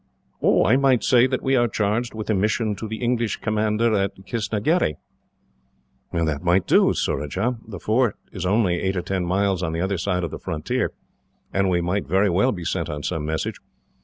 "I might say that we are charged with a mission to the English commander at Kistnagherry." "That might do, Surajah. The fort is only eight or ten miles on the other side of the frontier, and we might very well be sent on some message.